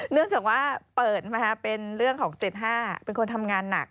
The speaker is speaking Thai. เนื่องจากว่าเปิดเป็นเรื่องของ๗๕เป็นคนทำงานหนัก